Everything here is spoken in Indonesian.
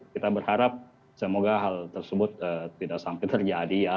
kita berharap semoga hal tersebut tidak sampai terjadi ya